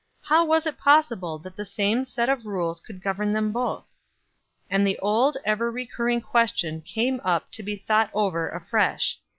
How was it possible that the same set of rules could govern them both? And the old ever recurring question came up to be thought over afresh.